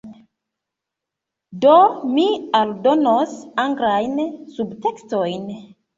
Do, mi aldonos anglajn subtekstojn